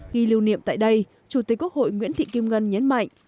ghi lưu niệm tại đây chủ tịch quốc hội nguyễn thị kim ngân nhấn mạnh